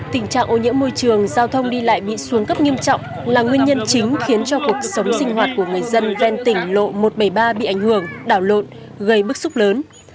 tình trạng ô nhiễm môi trường giao thông đi lại bị xuống cấp nghiêm trọng là nguyên nhân chính khiến cho cuộc sống sinh hoạt của người dân ven tỉnh lộ một trăm bảy mươi ba bị ảnh hưởng đảo lộn gây bức xúc lớn